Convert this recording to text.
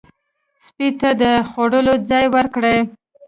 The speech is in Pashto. سپي ته د خوړلو ځای ورکړئ.